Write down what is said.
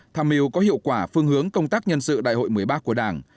tham mưu có hiệu quả phương hướng công tác nhân sự đại hội một mươi ba của đảng